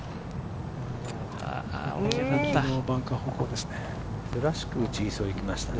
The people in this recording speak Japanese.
バンカー方向ですね。